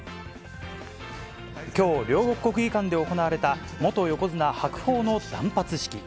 きょう、両国国技館で行われた元横綱・白鵬の断髪式。